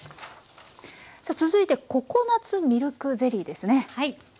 さあ続いてココナツミルクゼリーですね。